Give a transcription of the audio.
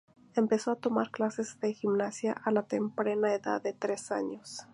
Empezó a tomar clases de gimnasia a la temprana edad de tres años.